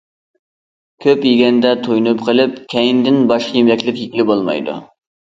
كۆپ يېگەندە،‹‹ تويۇنۇپ›› قېلىپ، كەينىدىن باشقا يېمەكلىك يېگىلى بولمايدۇ.